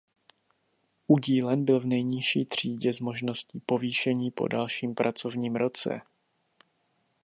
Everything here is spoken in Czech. Udílen byl v nejnižší třídě s možností povýšení po dalším pracovním roce.